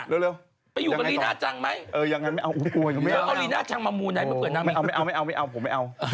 ตายอยู่กับลีน่าจังไหม